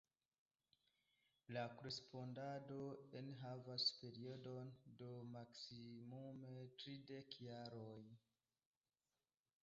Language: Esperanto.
La korespondado enhavas periodon de maksimume tridek jaroj.